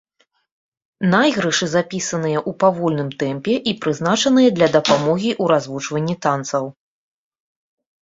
Найгрышы запісаныя ў павольным тэмпе і прызначаныя для дапамогі ў развучванні танцаў.